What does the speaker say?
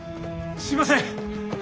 すいません！